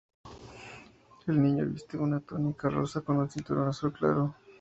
El Niño viste una túnica rosa con un cinturón azul claro.